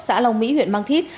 xã long mỹ huyện mang thít